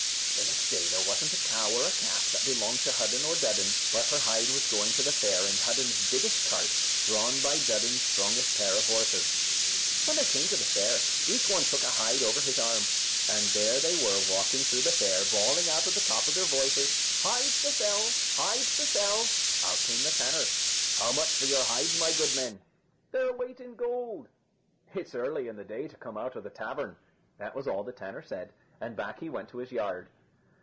The next day there wasn't a cow or a calf that belonged to Hudden or Dudden but her hide was going to the fair in Hudden's biggest cart drawn by Dudden's strongest pair of horses. When they came to the fair, each one took a hide over his arm, and there they were walking through the fair, bawling out at the top of their voices: "Hides to sell! hides to sell!" Out came the tanner: "How much for your hides, my good men?" "Their weight in gold." "It's early in the day to come out of the tavern." That was all the tanner said, and back he went to his yard.